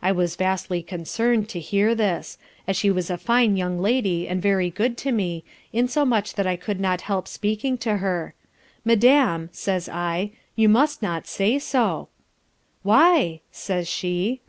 I was vastly concern'd to hear this, as she was a fine young lady, and very good to me, insomuch that I could not help speaking to her, "Madam, says I, you must not say so," Why, says she?